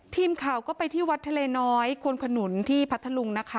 ทีมข่าวก็ไปที่วัดทะเลน้อยควนขนุนที่พัทธลุงนะคะ